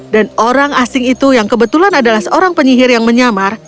dan orang asing itu yang kebetulan adalah seorang penyihir yang menyamar